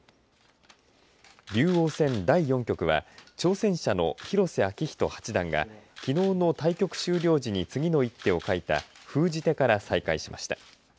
竜王戦、第４局は挑戦者の広瀬章人八段がきのうの対局終了時に次の一手をかいた封じ手から再開しました。